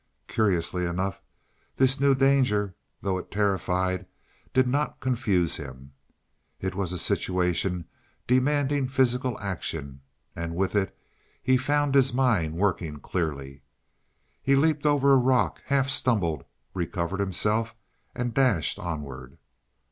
Curiously enough, this new danger, though it terrified, did not confuse him. It was a situation demanding physical action, and with it he found his mind working clearly. He leaped over a rock, half stumbled, recovered himself and dashed onward.